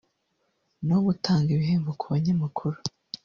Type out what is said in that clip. no gutanga ibihembo ku banyamakuru